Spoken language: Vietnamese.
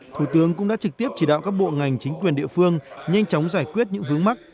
thủ tướng cũng đã trực tiếp chỉ đạo các bộ ngành chính quyền địa phương nhanh chóng giải quyết những vướng mắt